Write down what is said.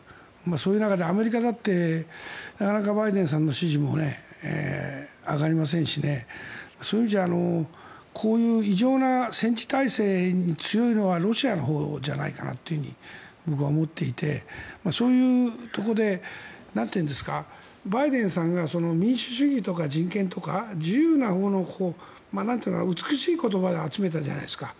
そういう中でアメリカだってなかなかバイデンさんの支持も上がりませんしそういう意味ではこういう異常な戦時体制に強いのはロシアのほうじゃないかなと僕は思っていてそういうところでバイデンさんが民主主義とか人権とか自由な美しい言葉で集めたじゃないですか。